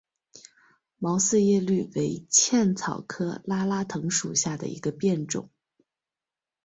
毛四叶葎为茜草科拉拉藤属下的一个变种。